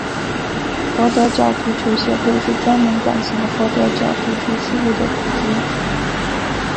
佛得角足球协会是专门管辖佛得角足球事务的组织。